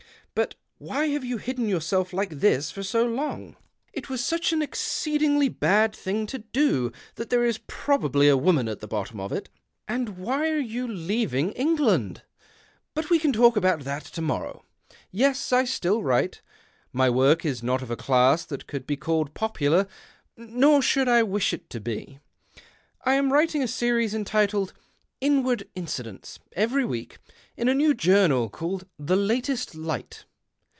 But why have you hidden yourself like this for so long ? It was such an exceedingly THE OCTAVE OF CLAUDIUS. 121 bad thing to do, that there is probably a woman at the bottom of it. And why are you leaving England ? But we can talk about that to morrow. Yes, I still write. My work is not of a class that could be called popular, nor should I wish it to be. I am writing a series entitled ' Inward Incidents ' every week, in a new journal called The Latest Light.